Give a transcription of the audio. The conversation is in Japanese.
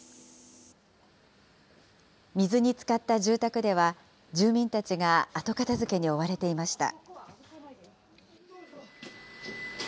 水につかった住宅では、住民たちが後片づけに追われていました。